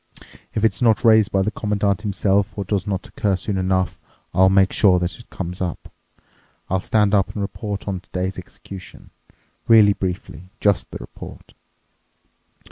If it's not raised by the Commandant himself or does not occur soon enough, I'll make sure that it comes up. I'll stand up and report on today's execution. Really briefly—just the report.